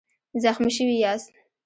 زخمي شوی یاست؟